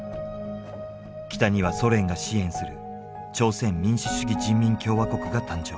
北にはソ連が支援する朝鮮民主主義人民共和国が誕生。